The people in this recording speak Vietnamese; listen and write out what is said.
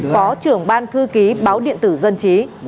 phó trưởng ban thư ký báo điện tử dân trí